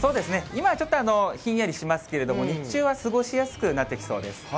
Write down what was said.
今ちょっとひんやりしますけれども、日中は過ごしやすくなってきそうです。